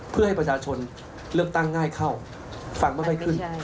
เพื่อให้ประชาชนเลือกตั้งง่ายเข้าฟังไม่ค่อยขึ้น